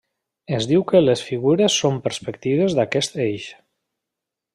Es diu que les figures són perspectives d'aquest eix.